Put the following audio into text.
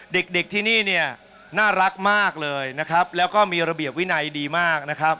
เด็กเด็กที่นี่เนี่ยน่ารักมากเลยนะครับแล้วก็มีระเบียบวินัยดีมากนะครับ